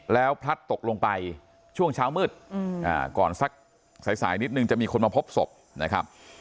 แล้วพลัดตกลงไปช่วงเช้ามืดก่อนสักสายนิดนึงจะมีคนมาพบศพนะครับ